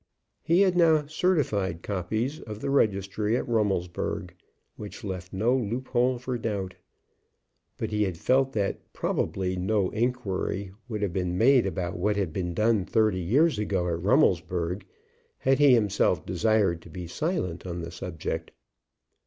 He had now certified copies of the registry at Rummelsburg, which left no loop hole for doubt. But he had felt that probably no inquiry would have been made about what had been done thirty years ago at Rummelsburg, had he himself desired to be silent on the subject.